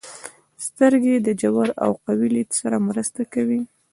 • سترګې د ژور او قوي لید سره مرسته کوي.